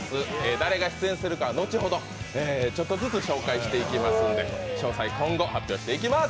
誰が出演するかは後ほど、ちょっとずつ紹介していきますので詳細、今後、発表していきます。